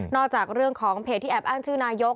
จากเรื่องของเพจที่แอบอ้างชื่อนายก